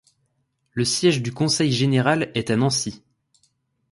Le siège du conseil général est à Nancy.